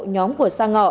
nhóm của sang ngọ